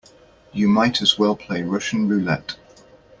You might as well play Russian roulette.